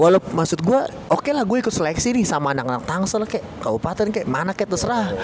walau maksud gue oke lah gue ikut seleksi nih sama anak anak tangsel kek kebupaten kek mana kek terserah